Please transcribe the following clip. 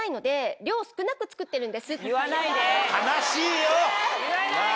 言わないで。